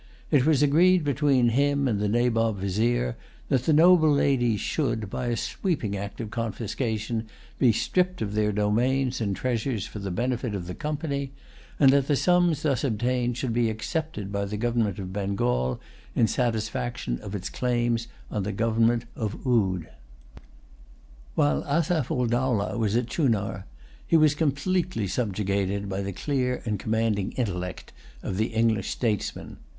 It was agreed between him and the Nabob Vizier that the noble ladies should, by a sweeping act of confiscation, be stripped of their domains and treasures for the benefit of the Company, and that the sums thus obtained should be accepted by the government of Bengal in satisfaction of its claims on the government of Oude. While Asaph ul Dowlah was at Chunar, he was completely subjugated by the clear and commanding intellect of the English statesman.